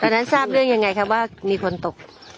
ทราบเรื่องยังไงครับว่ามีคนตก